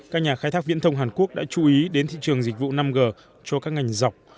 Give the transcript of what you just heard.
các nhà khai thác viễn thông hàn quốc đã chú ý đến thị trường dịch vụ năm g cho các ngành dọc